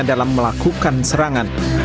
dalam melakukan serangan